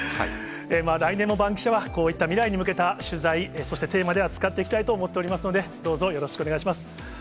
来年もバンキシャは、こういった未来に向けた取材、そしてテーマで扱っていきたいと思っておりますので、どうぞよろしくお願いします。